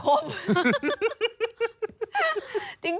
ลูกประคบ